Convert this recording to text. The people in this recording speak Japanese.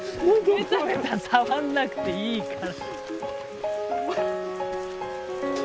ベタベタ触んなくていいから。